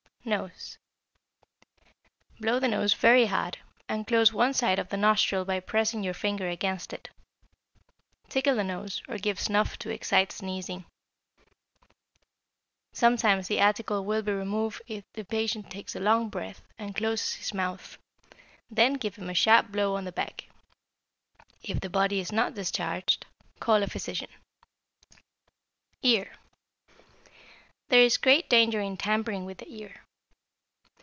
=Nose.= Blow the nose very hard, and close one side of the nostril by pressing your finger against it. Tickle the nose or give snuff to excite sneezing. Sometimes the article will be removed if the patient takes a long breath and closes his mouth, then give him a sharp blow on the back. If the body is not discharged, call a physician. =Ear.= There is great danger in tampering with the ear.